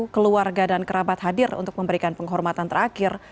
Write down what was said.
keluarga dan kerabat hadir untuk memberikan penghormatan terakhir